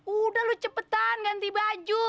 udah lu cepetan ganti baju